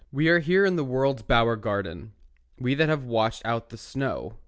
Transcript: We are here in the world's bower garden, We that have watched out the snow.